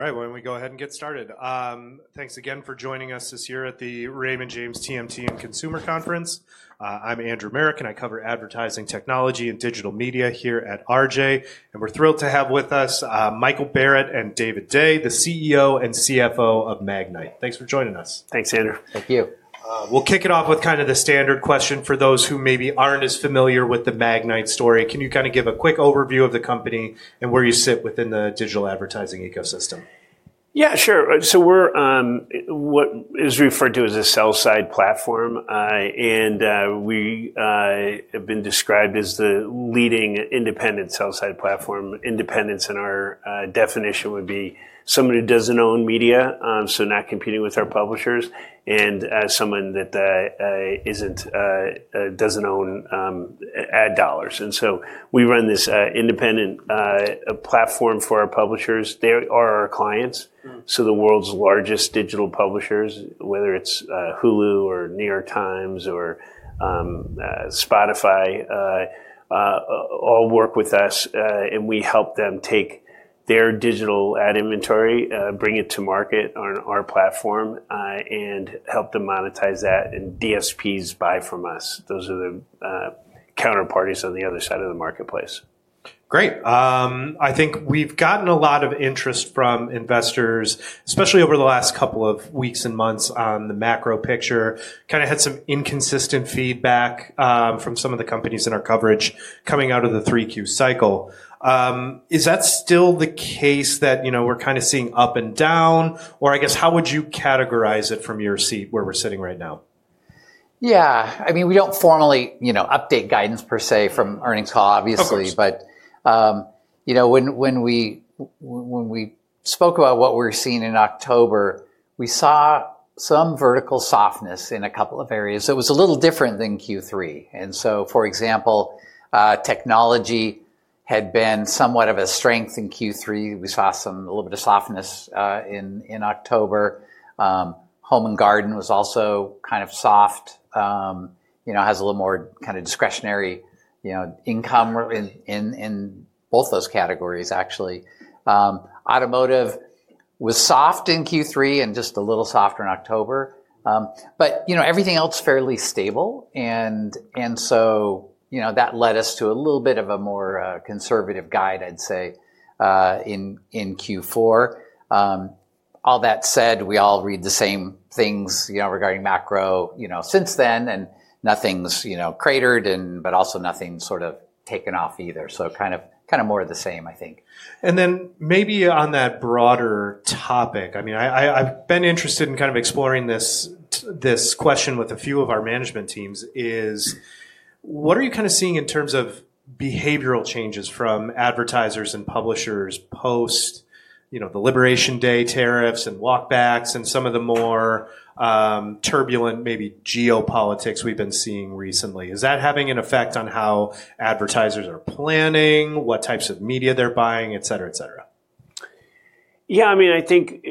Right, why don't we go ahead and get started? Thanks again for joining us this year at the Raymond James TMT and Consumer Conference. I'm Andrew Marok, and I cover advertising technology and digital media here at RJ, and we're thrilled to have with us Michael Barrett and David Day, the CEO and CFO of Magnite. Thanks for joining us. Thanks, Andrew. Thank you. We'll kick it off with kind of the standard question for those who maybe aren't as familiar with the Magnite story. Can you kind of give a quick overview of the company and where you sit within the digital advertising ecosystem? Yeah, sure. So we're what is referred to as a sell-side platform. And we have been described as the leading independent sell-side platform. Independence, in our definition, would be somebody who doesn't own media, so not competing with our publishers, and someone that doesn't own ad dollars. And so we run this independent platform for our publishers. They are our clients. So the world's largest digital publishers, whether it's Hulu or New York Times or Spotify, all work with us. And we help them take their digital ad inventory, bring it to market on our platform, and help them monetize that. And DSPs buy from us. Those are the counterparties on the other side of the marketplace. Great. I think we've gotten a lot of interest from investors, especially over the last couple of weeks and months on the macro picture. Kind of had some inconsistent feedback from some of the companies in our coverage coming out of the Q3 cycle. Is that still the case that we're kind of seeing up and down? Or I guess, how would you categorize it from your seat where we're sitting right now? Yeah. I mean, we don't formally update guidance, per se, from earnings call, obviously. But when we spoke about what we're seeing in October, we saw some vertical softness in a couple of areas. It was a little different than Q3. And so, for example, technology had been somewhat of a strength in Q3. We saw a little bit of softness in October. Home and garden was also kind of soft. It has a little more kind of discretionary income in both those categories, actually. Automotive was soft in Q3 and just a little softer in October. But everything else is fairly stable. And so that led us to a little bit of a more conservative guide, I'd say, in Q4. All that said, we all read the same things regarding macro since then. And nothing's cratered, but also nothing's sort of taken off either. So kind of more of the same, I think. And then maybe on that broader topic, I mean, I've been interested in kind of exploring this question with a few of our management teams. What are you kind of seeing in terms of behavioral changes from advertisers and publishers post the Liberation Day tariffs and walkbacks and some of the more turbulent, maybe, geopolitics we've been seeing recently? Is that having an effect on how advertisers are planning, what types of media they're buying, et cetera, et cetera? Yeah. I mean, I think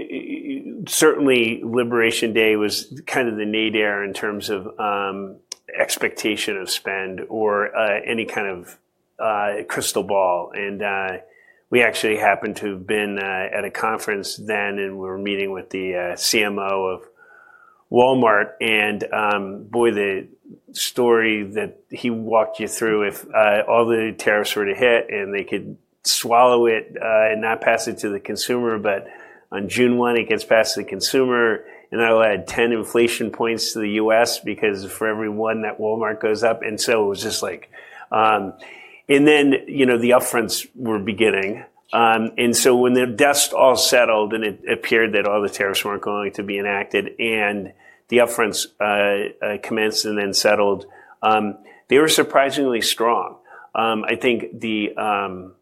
certainly Liberation Day was kind of the nadir in terms of expectation of spend or any kind of crystal ball. And we actually happened to have been at a conference then, and we were meeting with the CMO of Walmart. And boy, the story that he walked you through, if all the tariffs were to hit and they could swallow it and not pass it to the consumer, but on June 1, it gets passed to the consumer, and that'll add 10 inflation points to the U.S. because for everyone that Walmart goes up. And so it was just like, and then the upfronts were beginning. And so when the dust all settled and it appeared that all the tariffs weren't going to be enacted and the upfronts commenced and then settled, they were surprisingly strong. I think the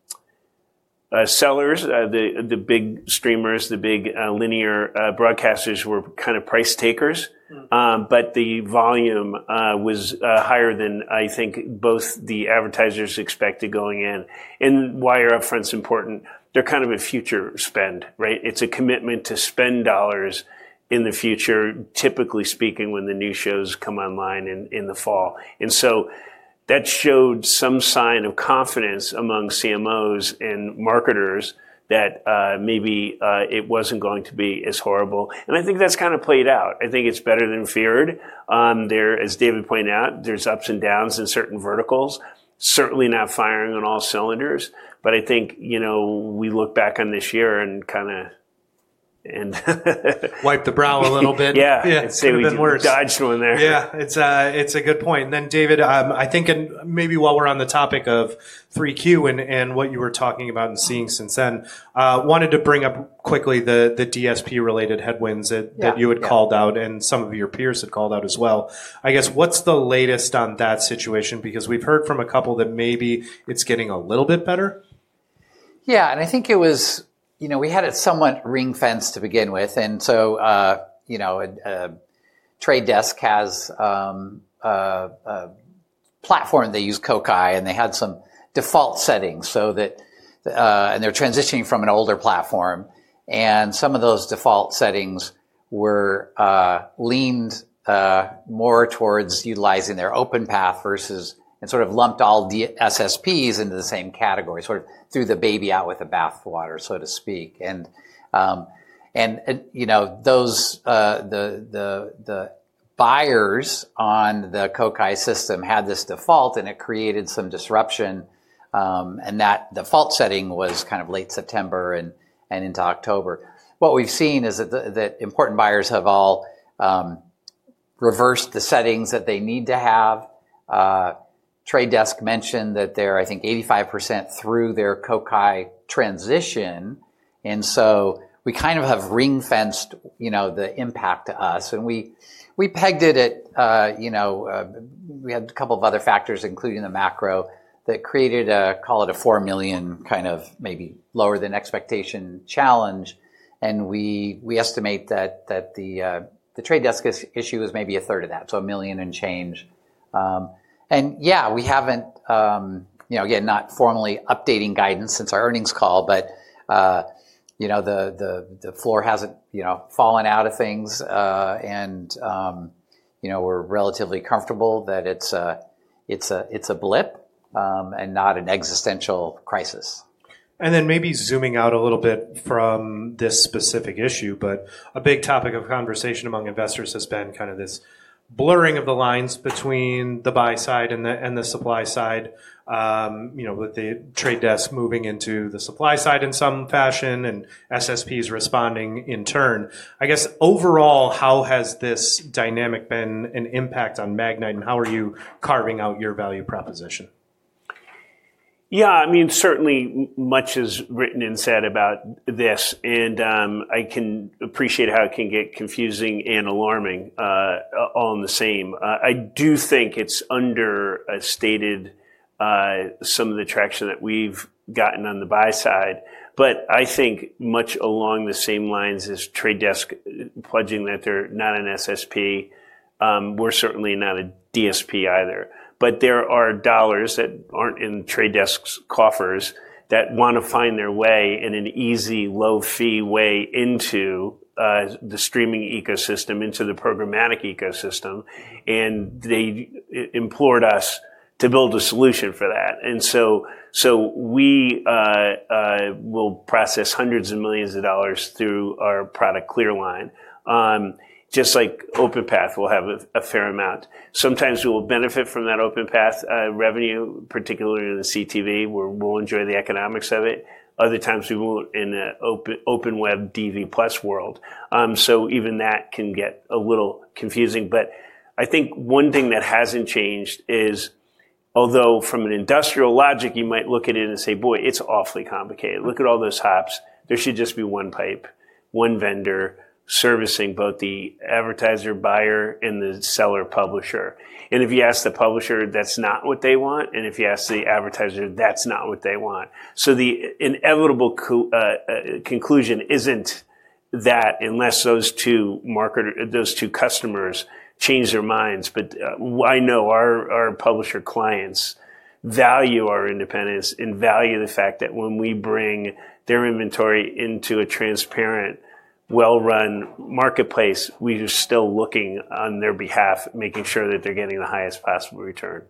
sellers, the big streamers, the big linear broadcasters were kind of price takers. But the volume was higher than I think both the advertisers expected going in. And why are upfronts important? They're kind of a future spend, right? It's a commitment to spend dollars in the future, typically speaking, when the new shows come online in the fall. And so that showed some sign of confidence among CMOs and marketers that maybe it wasn't going to be as horrible. And I think that's kind of played out. I think it's better than feared. As David pointed out, there's ups and downs in certain verticals, certainly not firing on all cylinders. But I think we look back on this year and kind of. Wipe the brow a little bit. Yeah. It's even worse. Dodged one there. Yeah. It's a good point. And then, David, I think maybe while we're on the topic of Q3 and what you were talking about and seeing since then, I wanted to bring up quickly the DSP-related headwinds that you had called out and some of your peers had called out as well. I guess, what's the latest on that situation? Because we've heard from a couple that maybe it's getting a little bit better. Yeah. And I think it was we had it somewhat ring-fenced to begin with. And so Trade Desk has a platform. They use Kokai, and they had some default settings so that and they're transitioning from an older platform. And some of those default settings were leaned more towards utilizing their OpenPath versus and sort of lumped all SSPs into the same category, sort of threw the baby out with the bathwater, so to speak. And those buyers on the Kokai system had this default, and it created some disruption. And that default setting was kind of late September and into October. What we've seen is that important buyers have all reversed the settings that they need to have. Trade Desk mentioned that they're, I think, 85% through their Kokai transition. And so we kind of have ring-fenced the impact to us. We pegged it at we had a couple of other factors, including the macro, that created a, call it a $4 million kind of maybe lower than expectation challenge. We estimate that the Trade Desk issue was maybe a third of that, so $1 million and change. Yeah, we haven't, again, not formally updating guidance since our earnings call. The floor hasn't fallen out of things. We're relatively comfortable that it's a blip and not an existential crisis. And then maybe zooming out a little bit from this specific issue, but a big topic of conversation among investors has been kind of this blurring of the lines between the buy side and the supply side, with The Trade Desk moving into the supply side in some fashion and SSPs responding in turn. I guess, overall, how has this dynamic been an impact on Magnite? And how are you carving out your value proposition? Yeah. I mean, certainly much is written and said about this, and I can appreciate how it can get confusing and alarming all in the same. I do think it's understated some of the traction that we've gotten on the buy side, but I think much along the same lines as The Trade Desk pledging that they're not an SSP, we're certainly not a DSP either, but there are dollars that aren't in The Trade Desk's coffers that want to find their way in an easy, low-fee way into the streaming ecosystem, into the programmatic ecosystem, and they implored us to build a solution for that, and so we will process hundreds of millions of dollars through our product ClearLine, just like OpenPath will have a fair amount. Sometimes we will benefit from that OpenPath revenue, particularly in the CTV, where we'll enjoy the economics of it. Other times, we will in an open web DV+ world. So even that can get a little confusing. But I think one thing that hasn't changed is, although from an industrial logic, you might look at it and say, boy, it's awfully complicated. Look at all those hops. There should just be one pipe, one vendor servicing both the advertiser, buyer, and the seller/publisher. And if you ask the publisher, that's not what they want. And if you ask the advertiser, that's not what they want. So the inevitable conclusion isn't that unless those two customers change their minds. But I know our publisher clients value our independence and value the fact that when we bring their inventory into a transparent, well-run marketplace, we are still looking on their behalf, making sure that they're getting the highest possible return.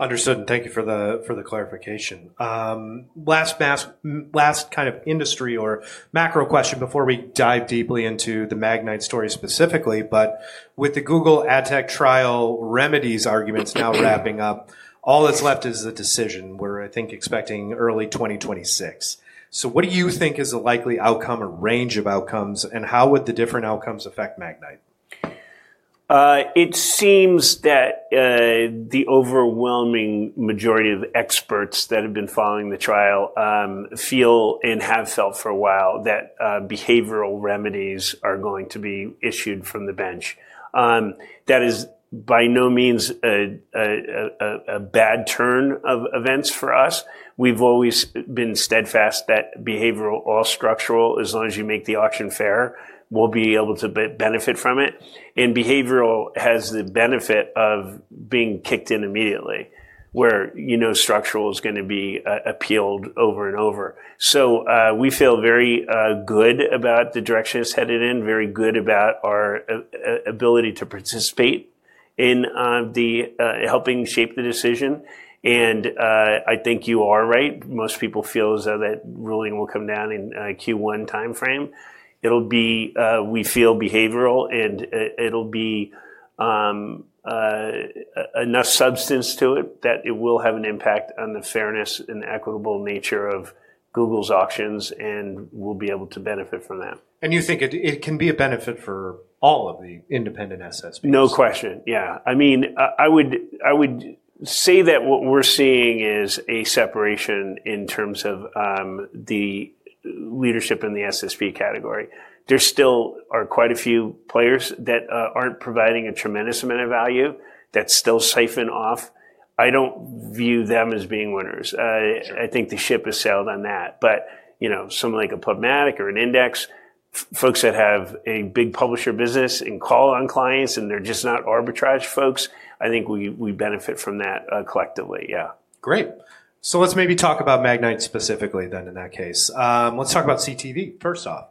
Understood. And thank you for the clarification. Last kind of industry or macro question before we dive deeply into the Magnite story specifically. But with the Google AdTech trial remedies arguments now wrapping up, all that's left is the decision. We're, I think, expecting early 2026. So what do you think is the likely outcome or range of outcomes? And how would the different outcomes affect Magnite? It seems that the overwhelming majority of experts that have been following the trial feel and have felt for a while that behavioral remedies are going to be issued from the bench. That is by no means a bad turn of events for us. We've always been steadfast that behavioral, all structural, as long as you make the auction fair, we'll be able to benefit from it, and behavioral has the benefit of being kicked in immediately, where structural is going to be appealed over and over, so we feel very good about the direction it's headed in, very good about our ability to participate in helping shape the decision, and I think you are right. Most people feel as though that ruling will come down in Q1 time frame. We feel very bullish, and it'll be enough substance to it that it will have an impact on the fairness and equitable nature of Google's auctions, and we'll be able to benefit from that. You think it can be a benefit for all of the independent SSPs? No question. Yeah. I mean, I would say that what we're seeing is a separation in terms of the leadership in the SSP category. There still are quite a few players that aren't providing a tremendous amount of value that's still siphoned off. I don't view them as being winners. I think the ship has sailed on that. But someone like a PubMatic or an Index, folks that have a big publisher business and call on clients, and they're just not arbitrage folks, I think we benefit from that collectively. Yeah. Great. So let's maybe talk about Magnite specifically then in that case. Let's talk about CTV first off.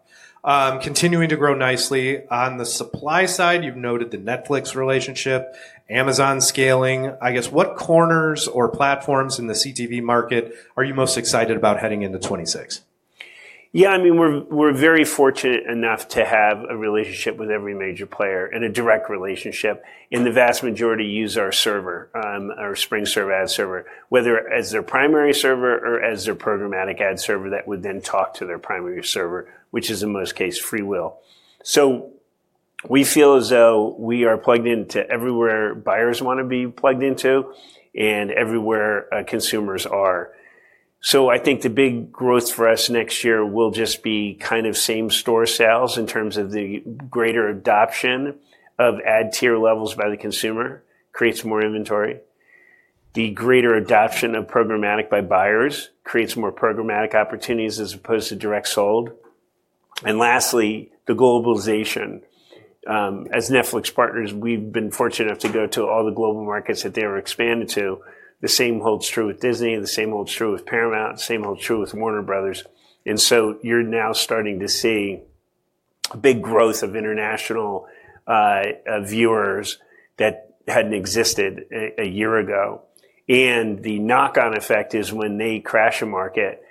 Continuing to grow nicely. On the supply side, you've noted the Netflix relationship, Amazon scaling. I guess, what corners or platforms in the CTV market are you most excited about heading into 2026? Yeah. I mean, we're very fortunate enough to have a relationship with every major player and a direct relationship. And the vast majority use our server, our SpringServe ad server, whether as their primary server or as their programmatic ad server that would then talk to their primary server, which is, in most cases, FreeWheel. So we feel as though we are plugged into everywhere buyers want to be plugged into and everywhere consumers are. So I think the big growth for us next year will just be kind of same-store sales in terms of the greater adoption of ad tier levels by the consumer creates more inventory. The greater adoption of programmatic by buyers creates more programmatic opportunities as opposed to direct sold. And lastly, the globalization. As Netflix partners, we've been fortunate enough to go to all the global markets that they were expanded to. The same holds true with Disney. The same holds true with Paramount. The same holds true with Warner Bros. And so you're now starting to see a big growth of international viewers that hadn't existed a year ago. And the knock-on effect is when they crash a market,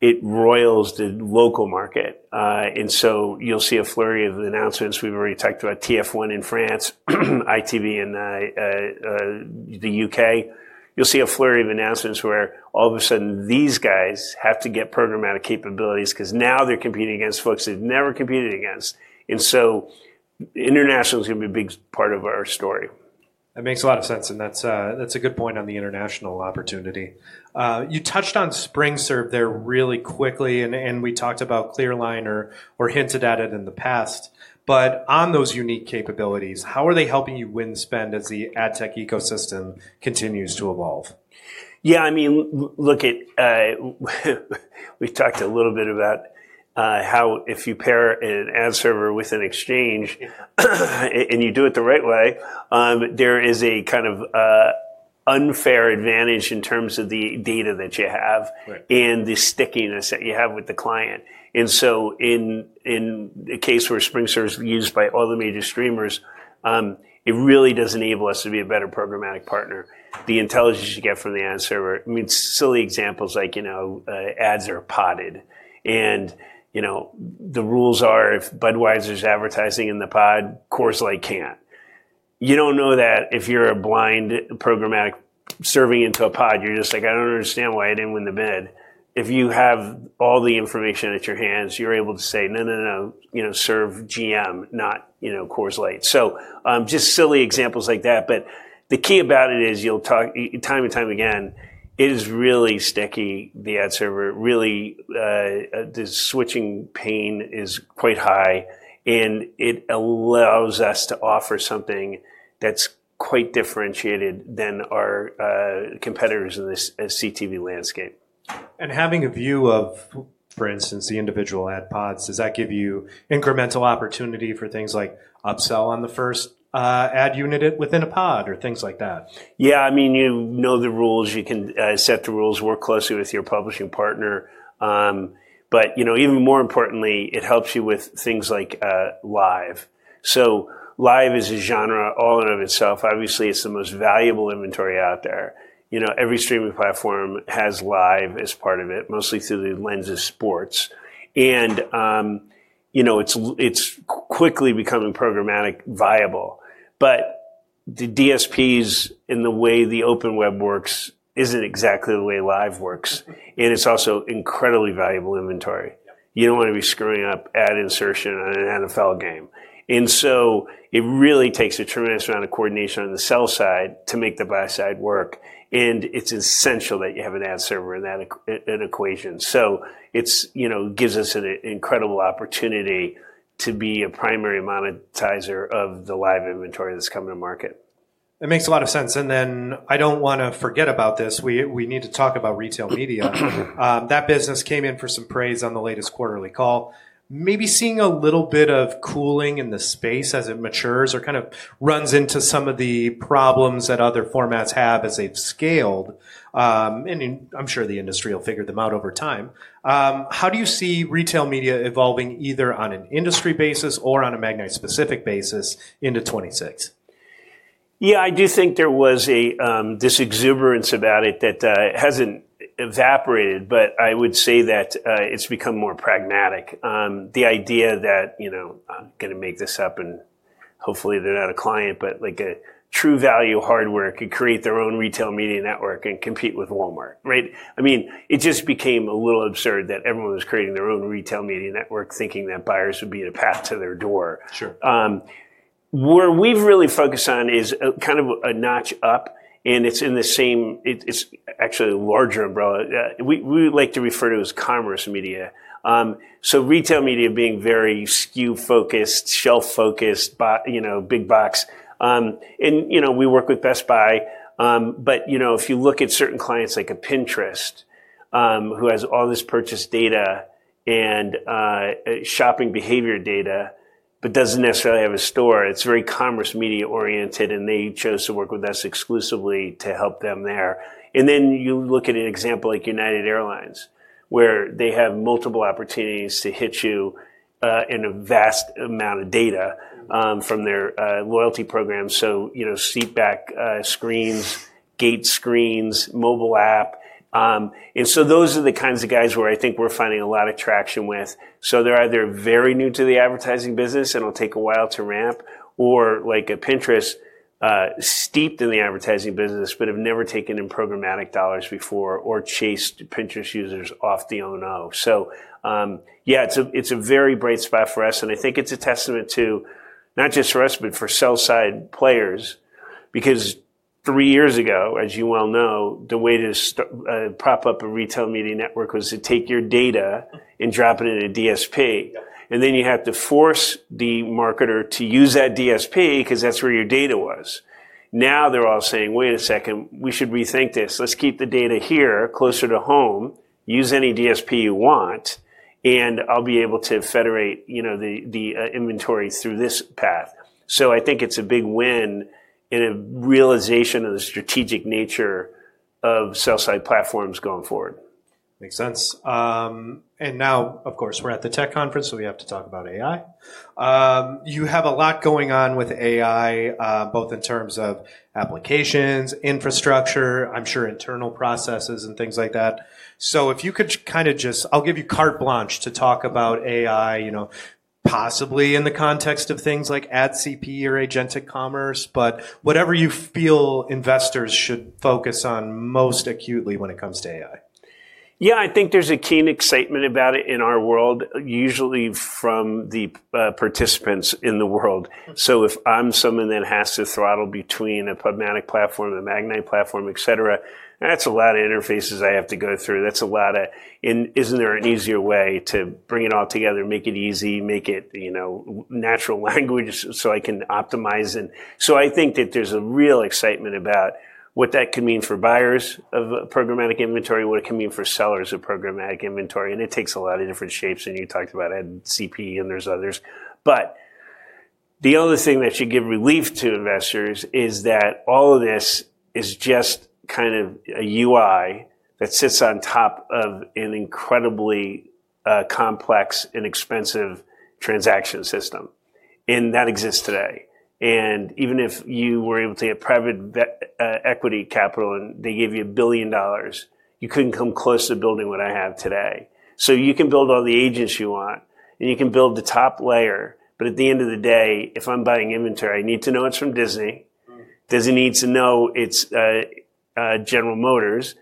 it roils the local market. And so you'll see a flurry of announcements. We've already talked about TF1 in France, ITV in the U.K. You'll see a flurry of announcements where all of a sudden, these guys have to get programmatic capabilities because now they're competing against folks they've never competed against. And so international is going to be a big part of our story. That makes a lot of sense. And that's a good point on the international opportunity. You touched on SpringServe there really quickly. And we talked about ClearLine or hinted at it in the past. But on those unique capabilities, how are they helping you win spend as the ad tech ecosystem continues to evolve? Yeah. I mean, look at we talked a little bit about how if you pair an ad server with an exchange and you do it the right way, there is a kind of unfair advantage in terms of the data that you have and the stickiness that you have with the client. And so in the case where SpringServe is used by all the major streamers, it really does enable us to be a better programmatic partner. The intelligence you get from the ad server, I mean, silly examples like ads are podded. And the rules are if Budweiser's advertising in the pod, Coors Light can't. You don't know that if you're a blind programmatic serving into a pod, you're just like, "I don't understand why I didn't win the bid." If you have all the information at your hands, you're able to say, "No, no, no. Serve GM, not Coors Light." So just silly examples like that, but the key about it is you'll hear time and time again, it is really sticky, the ad server. Really, the switching pain is quite high, and it allows us to offer something that's quite differentiated than our competitors in this CTV landscape. Having a view of, for instance, the individual ad pods, does that give you incremental opportunity for things like upsell on the first ad unit within a pod or things like that? Yeah. I mean, you know the rules. You can set the rules, work closely with your publishing partner. But even more importantly, it helps you with things like live. So live is a genre all in and of itself. Obviously, it's the most valuable inventory out there. Every streaming platform has live as part of it, mostly through the lens of sports. And it's quickly becoming programmatic viable. But the DSPs and the way the open web works isn't exactly the way live works. And it's also incredibly valuable inventory. You don't want to be screwing up ad insertion on an NFL game. And so it really takes a tremendous amount of coordination on the sell side to make the buy side work. And it's essential that you have an ad server in that equation. So it gives us an incredible opportunity to be a primary monetizer of the live inventory that's coming to market. That makes a lot of sense. And then I don't want to forget about this. We need to talk about retail media. That business came in for some praise on the latest quarterly call. Maybe seeing a little bit of cooling in the space as it matures or kind of runs into some of the problems that other formats have as they've scaled. And I'm sure the industry will figure them out over time. How do you see retail media evolving either on an industry basis or on a Magnite-specific basis into 2026? Yeah. I do think there was this exuberance about it that hasn't evaporated, but I would say that it's become more pragmatic. The idea that I'm going to make this up, and hopefully, they're not a client, but True Value Hardware could create their own retail media network and compete with Walmart, right? I mean, it just became a little absurd that everyone was creating their own retail media network thinking that buyers would be beating a path to their door. Where we've really focused on is kind of a notch up, and it's in the same it's actually a larger umbrella. We like to refer to it as commerce media. So retail media being very SKU-focused, shelf-focused, big box, and we work with Best Buy. But if you look at certain clients like a Pinterest, who has all this purchase data and shopping behavior data but doesn't necessarily have a store, it's very commerce media oriented. And they chose to work with us exclusively to help them there. And then you look at an example like United Airlines, where they have multiple opportunities to hit you in a vast amount of data from their loyalty program. So seatback screens, gate screens, mobile app. And so those are the kinds of guys where I think we're finding a lot of traction with. So they're either very new to the advertising business, and it'll take a while to ramp, or like a Pinterest, steeped in the advertising business but have never taken in programmatic dollars before or chased Pinterest users off the app. So yeah, it's a very bright spot for us. I think it's a testament to not just for us, but for sell-side players. Because three years ago, as you well know, the way to prop up a retail media network was to take your data and drop it in a DSP. And then you had to force the marketer to use that DSP because that's where your data was. Now they're all saying, "Wait a second. We should rethink this. Let's keep the data here, closer to home. Use any DSP you want. And I'll be able to federate the inventory through this path." So I think it's a big win in a realization of the strategic nature of sell-side platforms going forward. Makes sense. And now, of course, we're at the tech conference, so we have to talk about AI. You have a lot going on with AI, both in terms of applications, infrastructure, I'm sure internal processes, and things like that. So if you could kind of just, I'll give you carte blanche to talk about AI, possibly in the context of things like AdCP or Agentic Commerce. But whatever you feel investors should focus on most acutely when it comes to AI. Yeah. I think there's a keen excitement about it in our world, usually from the participants in the world. So if I'm someone that has to toggle between a PubMatic platform, a Magnite platform, et cetera, that's a lot of interfaces I have to go through. That's a lot. Isn't there an easier way to bring it all together, make it easy, make it natural language so I can optimize? And so I think that there's a real excitement about what that can mean for buyers of programmatic inventory, what it can mean for sellers of programmatic inventory. And it takes a lot of different shapes. And you talked about AdCP, and there's others. But the only thing that should give relief to investors is that all of this is just kind of a UI that sits on top of an incredibly complex and expensive transaction system. And that exists today. And even if you were able to get private equity capital and they gave you $1 billion, you couldn't come close to building what I have today. So you can build all the agents you want, and you can build the top layer. But at the end of the day, if I'm buying inventory, I need to know it's from Disney. Disney needs to know it's General Motors.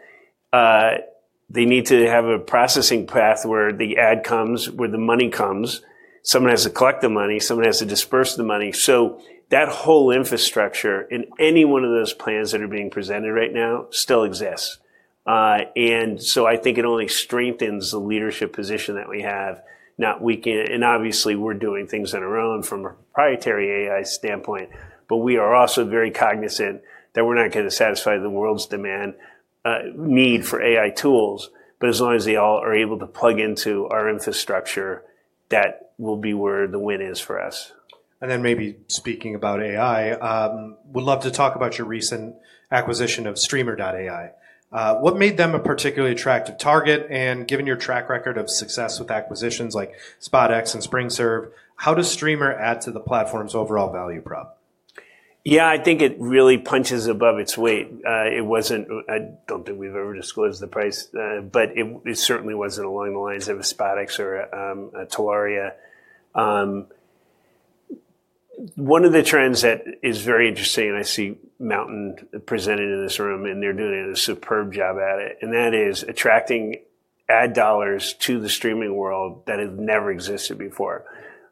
They need to have a processing path where the ad comes, where the money comes. Someone has to collect the money. Someone has to disperse the money. So that whole infrastructure in any one of those plans that are being presented right now still exists. And so I think it only strengthens the leadership position that we have, not weaken it. And obviously, we're doing things on our own from a proprietary AI standpoint. But we are also very cognizant that we're not going to satisfy the world's demand need for AI tools. But as long as they all are able to plug into our infrastructure, that will be where the win is for us. And then maybe speaking about AI, would love to talk about your recent acquisition of Streamr.ai. What made them a particularly attractive target? And given your track record of success with acquisitions like SpotX and SpringServe, how does Streamr add to the platform's overall value prop? Yeah. I think it really punches above its weight. I don't think we've ever disclosed the price. But it certainly wasn't along the lines of a SpotX or a Telaria. One of the trends that is very interesting, and I see Mountain presenting in this room, and they're doing a superb job at it. And that is attracting ad dollars to the streaming world that have never existed before.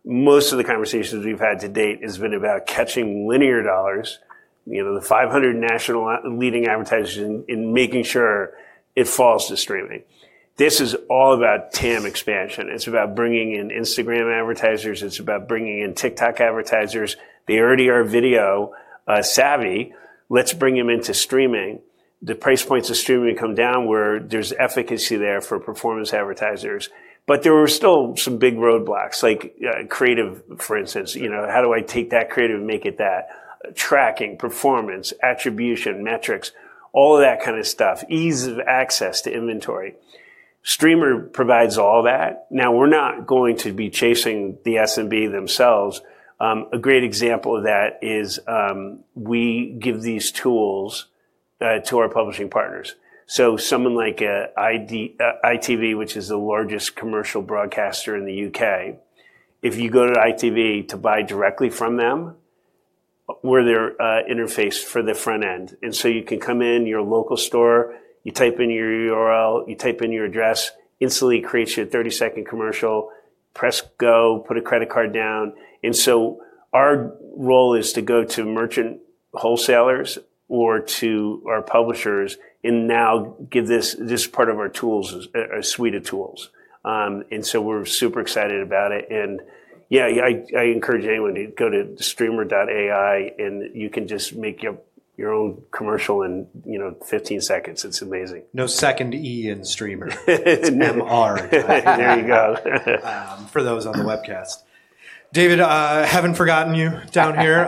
Most of the conversations we've had to date has been about catching linear dollars, the 500 national leading advertisers, and making sure it falls to streaming. This is all about TAM expansion. It's about bringing in Instagram advertisers. It's about bringing in TikTok advertisers. They already are video savvy. Let's bring them into streaming. The price points of streaming come down where there's efficacy there for performance advertisers. But there were still some big roadblocks, like creative, for instance. How do I take that creative and make it that? Tracking, performance, attribution, metrics, all of that kind of stuff, ease of access to inventory. Streamer provides all that. Now, we're not going to be chasing the S&B themselves. A great example of that is we give these tools to our publishing partners. So someone like ITV, which is the largest commercial broadcaster in the UK. If you go to ITV to buy directly from them, where they're interfaced for the front end. You can come in your local store. You type in your URL. You type in your address. Instantly creates you a 30-second commercial. Press go, put a credit card down. Our role is to go to merchant wholesalers or to our publishers and now give this part of our tools a suite of tools. We're super excited about it. Yeah, I encourage anyone to go to Streamr.ai. You can just make your own commercial in 15 seconds. It's amazing. No second E in Streamr. It's an MR. There you go. For those on the webcast. David, haven't forgotten you down here.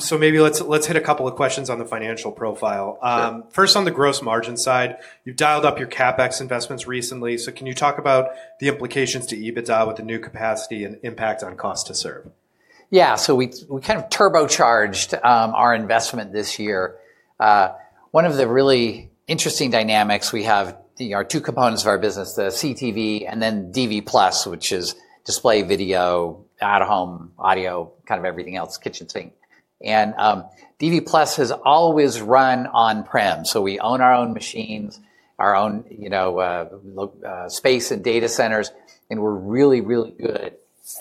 So maybe let's hit a couple of questions on the financial profile. First, on the gross margin side, you've dialed up your CapEx investments recently. So can you talk about the implications to EBITDA with the new capacity and impact on cost to serve? Yeah. So we kind of turbocharged our investment this year. One of the really interesting dynamics we have are two components of our business, the CTV and then DV+, which is display, video, at-home audio, kind of everything else, kitchen sink. And DV+ has always run on-prem. So we own our own machines, our own space and data centers. And we're really, really good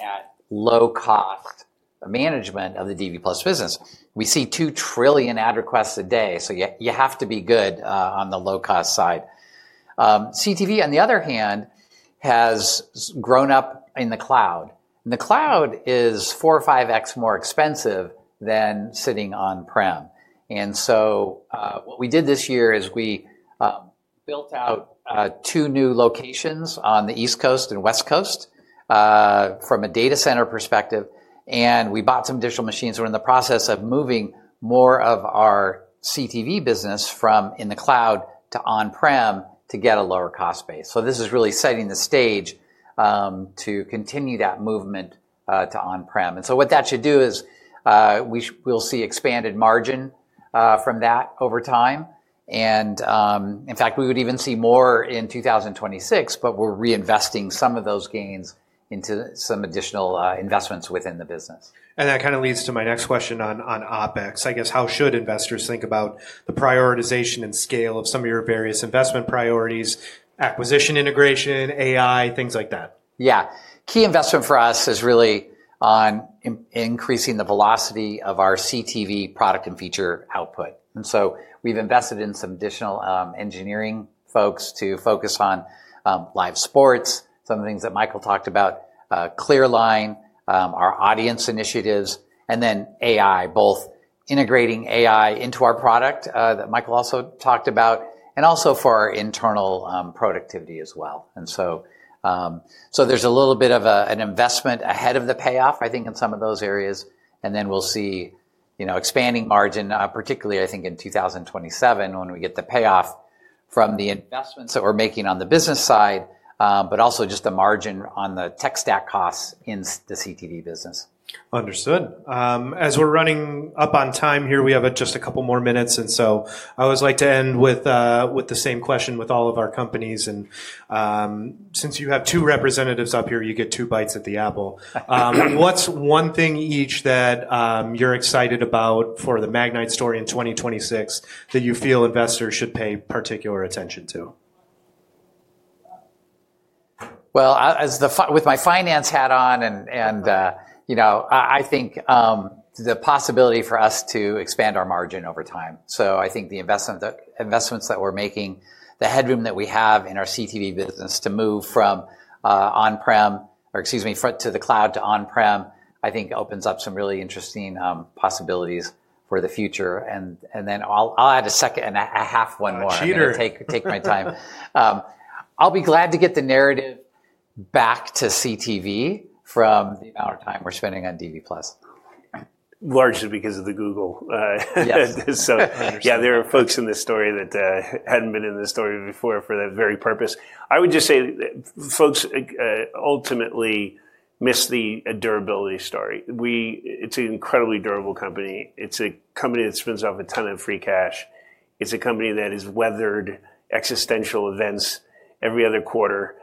at low-cost management of the DV+ business. We see 2 trillion ad requests a day. So you have to be good on the low-cost side. CTV, on the other hand, has grown up in the cloud. And the cloud is 4 or 5x more expensive than sitting on-prem. And so what we did this year is we built out two new locations on the East Coast and West Coast from a data center perspective. And we bought some additional machines. We're in the process of moving more of our CTV business from in the cloud to on-prem to get a lower cost base. So this is really setting the stage to continue that movement to on-prem. And so what that should do is we'll see expanded margin from that over time. And in fact, we would even see more in 2026. But we're reinvesting some of those gains into some additional investments within the business. That kind of leads to my next question on OpEx. I guess how should investors think about the prioritization and scale of some of your various investment priorities, acquisition integration, AI, things like that? Yeah. Key investment for us is really on increasing the velocity of our CTV product and feature output. And so we've invested in some additional engineering folks to focus on live sports, some of the things that Michael talked about, ClearLine, our audience initiatives, and then AI, both integrating AI into our product that Michael also talked about, and also for our internal productivity as well. And so there's a little bit of an investment ahead of the payoff, I think, in some of those areas. And then we'll see expanding margin, particularly, I think, in 2027 when we get the payoff from the investments that we're making on the business side, but also just the margin on the tech stack costs in the CTV business. Understood. As we're running up on time here, we have just a couple more minutes. And so I always like to end with the same question with all of our companies. And since you have two representatives up here, you get two bites at the apple. What's one thing each that you're excited about for the Magnite story in 2026 that you feel investors should pay particular attention to? With my finance hat on, I think the possibility for us to expand our margin over time. I think the investments that we're making, the headroom that we have in our CTV business to move from on-prem, or excuse me, to the cloud to on-prem, I think opens up some really interesting possibilities for the future. Then I'll add a second and a half one more. Cheater. Take my time. I'll be glad to get the narrative back to CTV from the amount of time we're spending on DV+. Largely because of the Google. Yes. So yeah, there are folks in this story that hadn't been in this story before for that very purpose. I would just say folks ultimately miss the durability story. It's an incredibly durable company. It's a company that spends off a ton of free cash. It's a company that has weathered existential events every other quarter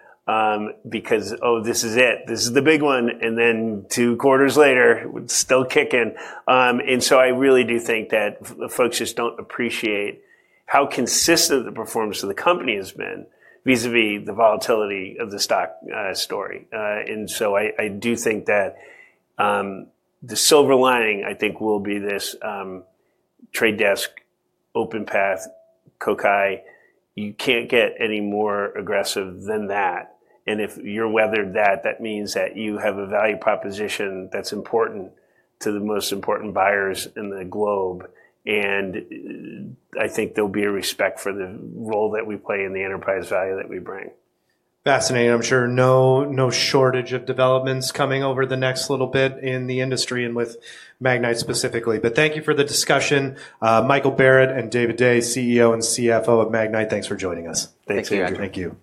because, oh, this is it. This is the big one. And then two quarters later, it's still kicking. And so I really do think that folks just don't appreciate how consistent the performance of the company has been vis-à-vis the volatility of the stock story. And so I do think that the silver lining, I think, will be this Trade Desk, OpenPath, Kokai. You can't get any more aggressive than that. And if you're weathered that, that means that you have a value proposition that's important to the most important buyers in the globe. And I think there'll be a respect for the role that we play in the enterprise value that we bring. Fascinating. I'm sure no shortage of developments coming over the next little bit in the industry and with Magnite specifically. But thank you for the discussion. Michael Barrett and David Day, CEO and CFO of Magnite, thanks for joining us. Thanks, Andrew. Thank you.